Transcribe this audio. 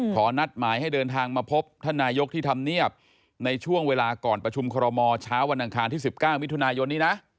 ขอนัดหมายให้เดินทางมาพบท่านนายกที่ทำเนียบในช่วงเวลาก่อนประชุมคอรมอเช้าวันอังคารที่๑๙มิถุนายนนี้นะ